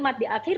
dan di depan